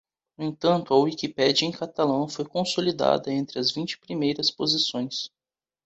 No entanto, a Wikipédia em catalão foi consolidada entre as vinte primeiras posições.